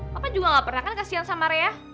papa juga gak pernah kan kasian sama rea